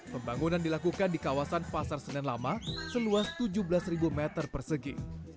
pembangunan dilakukan di kawasan pasar senen lama seluas tujuh belas meter persegi